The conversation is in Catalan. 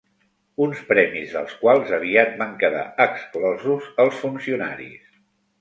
Uns premis dels quals aviat van quedar exclosos els funcionaris.